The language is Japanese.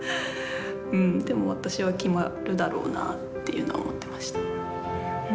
でも私は決まるだろうなっていうのは思ってました。